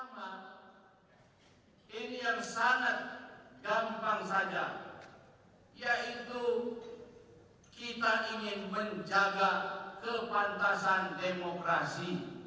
pertama ini yang sangat gampang saja yaitu kita ingin menjaga kepantasan demokrasi